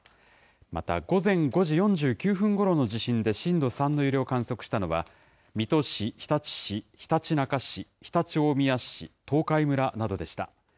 また午前５時４９分ごろの地震で震度３の揺れを観測したのは、水戸市、日立市、ひたちなか市、常陸大宮市、東海村などでした。